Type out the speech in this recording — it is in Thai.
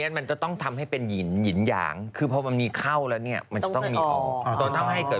อย่างสมมติก็เศษถีแน่นะรวยมากดิ